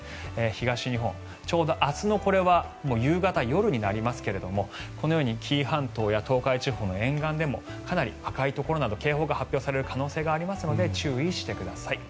東日本、ちょうど明日の夕方、夜になりますがこのように紀伊半島や東海地方の沿岸でもかなり赤いところなど警報が発表される可能性がありますので注意してください。